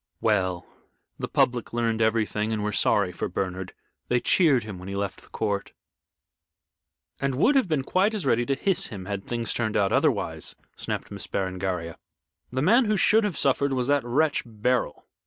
"Well, the public learned everything and were sorry for Bernard. They cheered him when he left the court." "And would have been quite as ready to hiss him had things turned out otherwise," snapped Miss Berengaria. "The man who should have suffered was that wretch Beryl."